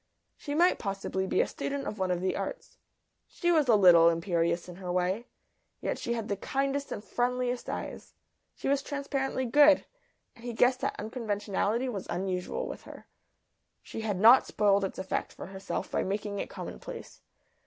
She might possibly be a student of one of the arts. She was a little imperious in her way, yet she had the kindest and friendliest eyes. She was transparently good, and he guessed that unconventionality was unusual with her. She had not spoiled its effect for herself by making it commonplace.